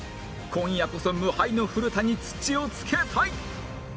今夜こそ無敗の古田に土をつけたい！